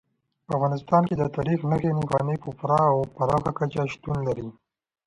په افغانستان کې د تاریخ نښې نښانې په پوره او پراخه کچه شتون لري.